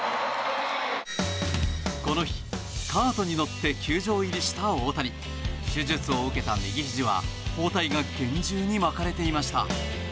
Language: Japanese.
この日、カートに乗って球場入りした大谷。手術を受けた右ひじは包帯が厳重に巻かれていました。